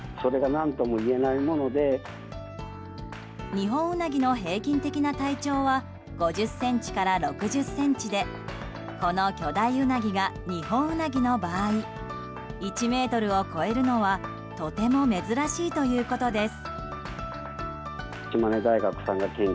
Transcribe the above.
ニホンウナギの平均的な体長は５０ｃｍから６０ｃｍでこの巨大ウナギがニホンウナギの場合１ｍを超えるのはとても珍しいということです。